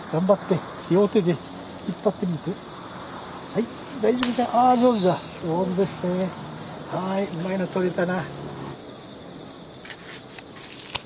はいうまいのとれたな。